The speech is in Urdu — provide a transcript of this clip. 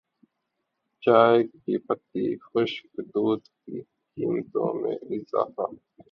چائے کی پتی خشک دودھ کی قیمتوں میں اضافہ